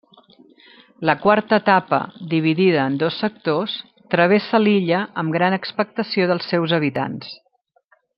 La quarta etapa, dividida en dos sectors, travessa l'illa amb gran expectació dels seus habitants.